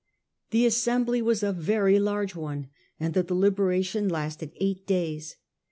The assembly was a very large one, and the delibe ration lasted eight days.